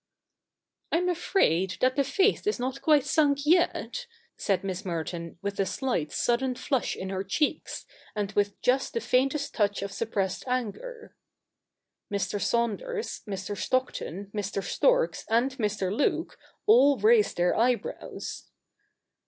CH. i] THE NEW REPUBLIC 195 ' I'm afraid that the faith is not quite sunk yet,' said Miss Merton, with a slight sudden flush in her cheeks, and with just the faintest touch of suppressed anger. Mr. Saunders, ]Mr. Stockton, Mr. Storks, and Mr. Luke all raised their eyebrows.